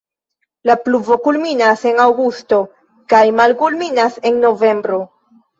La pluvo kulminas en aŭgusto kaj malkulminas en novembro.